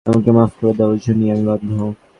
আমাকে মাফ করে দাও জুনি, আমি বাধ্য।